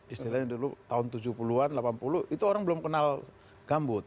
istilahnya dulu tahun tujuh puluh an delapan puluh itu orang belum kenal gambut